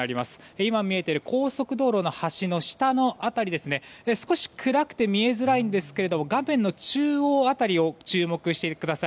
今見えている高速道路の橋の下の辺り少し暗くて見えづらいんですが画面の中央辺りを注目してください。